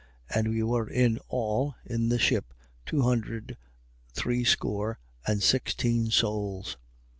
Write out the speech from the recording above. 27:37. And we were in all in the ship two hundred threescore and sixteen souls.